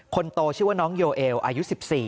คนโตชื่อว่าน้องโยเอลอายุ๑๔